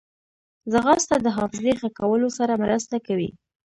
ځغاسته د حافظې ښه کولو سره مرسته کوي